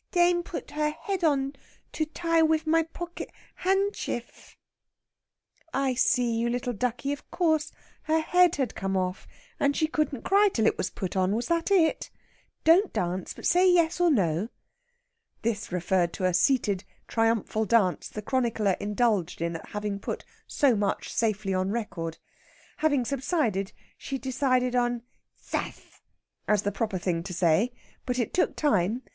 Dane put her head on to ty wiv my pocket hanshtiff!" "I see, you little ducky, of course her head had come off, and she couldn't cry till it was put on, was that it? Don't dance, but say yes or no." This referred to a seated triumphal dance the chronicler indulged in at having put so much safely on record. Having subsided, she decided on zass as the proper thing to say, but it took time.